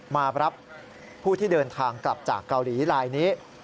มารับผู้ที่เดินทางกลับจากเกาหลีลายนี้